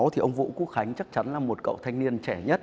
thì ông vũ quốc khánh chắc chắn là một cậu thanh niên trẻ nhất